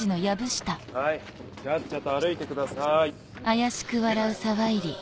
はいちゃっちゃと歩いてください。